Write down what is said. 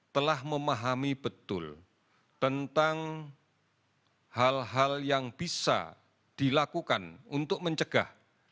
telah memahami betul tentang hal hal yang bisa dilakukan untuk mencegah